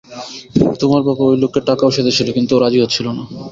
তোমার বাবা ঐ লোককে টাকাও সেধেছিল, কিন্তু ও রাজি হচ্ছিল না।